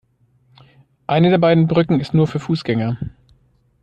Eine der beiden Brücken ist nur für Fußgänger.